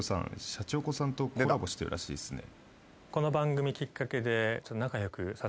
シャチホコさんとコラボしてるらしいっすね。